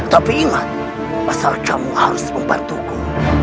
tapi ingat asal kamu harus membantuku